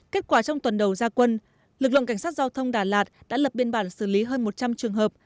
kết quả trong tuần đầu gia quân lực lượng cảnh sát giao thông đà lạt đã lập biên bản xử lý hơn một trăm linh trường hợp